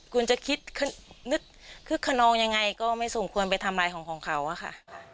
คุณจะคิดคึกขนองยังไงก็ไม่สมควรไปทำร้ายของเขาค่ะ